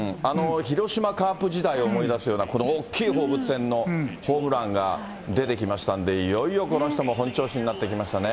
広島カープ時代を思い出すような、この大きい放物線のホームランが出てきましたんで、いよいよこの人も本調子になってきましたね。